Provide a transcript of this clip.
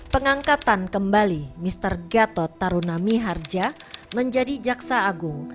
pengangkatan kembali mr gatot tarunamiharja menjadi jaksa agung